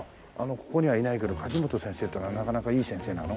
ここにはいないけども梶本先生っていうのはなかなかいい先生なの？